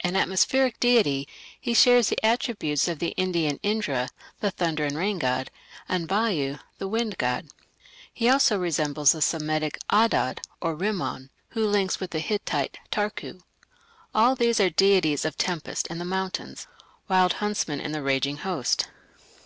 An atmospheric deity, he shares the attributes of the Indian Indra, the thunder and rain god, and Vayu, the wind god; he also resembles the Semitic Adad or Rimman, who links with the Hittite Tarku. All these are deities of tempest and the mountains Wild Huntsmen in the Raging Host.